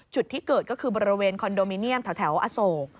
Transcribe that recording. จุดที่เกิดก็คือบริเวณคอนโดมิเนียมแถวอโศก